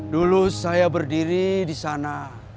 dulu saya berdiri disana